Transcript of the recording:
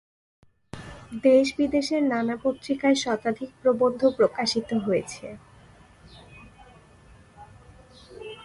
দেশ-বিদেশের নানা পত্রিকায় শতাধিক প্রবন্ধ প্রকাশিত হয়েছে।